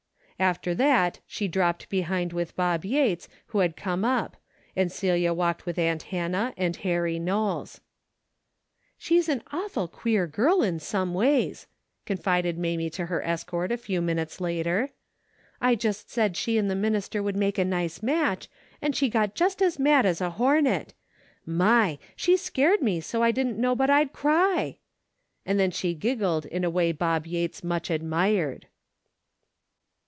After that she dropped behind with Bob Yates who had come up, and Celia walked with aunt Hannah and Harry Knowles. " She's an awful queer girl in some ways," confided Mamie to her escort a few minutes later. " I just said she and the minister would make a nice match, and she got just as mad as a hornet. My ! She scared me so I didn't know but I'd cry !" and then she giggled in a way Bob Yates much admired.